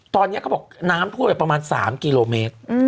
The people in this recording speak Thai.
ตอนนี้เขาบอกน้ำท่วมไปประมาณ๓กิโลเมตร